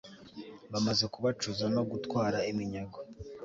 bamaze kubacuza no gutwara iminyago